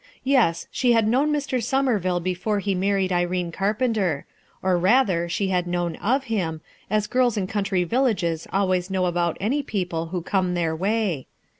Yes, she had known Mr. Somerville before he married Irene Carpenter; or rather, she had known of him, as girls in country villages always knew about any people who came their way.